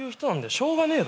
しょうがねえだろ。